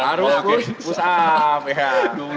harus push up